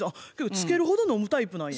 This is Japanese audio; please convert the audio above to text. ツケるほど飲むタイプなんや。